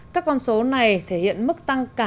các con số này thể hiện mức tăng truyền thống